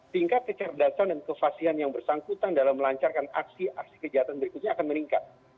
tingkat kecerdasan dan kevasihan yang bersangkutan dalam melancarkan aksi aksi kejahatan berikutnya akan meningkat